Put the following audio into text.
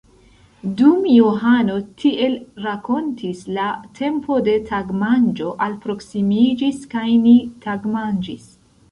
Dum Johano tiel rakontis, la tempo de tagmanĝo alproksimiĝis, kaj ni tagmanĝis.